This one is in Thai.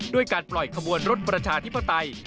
ด้วยการปล่อยขบวนรถประชาธิปไตย